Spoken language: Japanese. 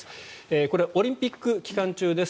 これはオリンピック期間中です。